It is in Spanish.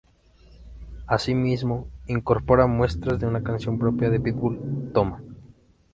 Asimismo, incorpora muestras de una canción propia de Pitbull, "Toma".